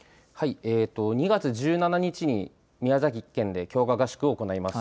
２月１７日に、宮崎県で強化合宿を行います。